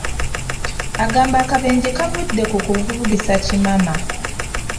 Agamba akabenje kavudde ku kuvugisa kimama.